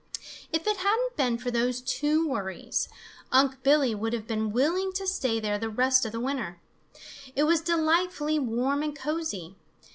If it hadn't been for those two worries, Unc' Billy would have been willing to stay there the rest of the winter. It was delightfully warm and cosy.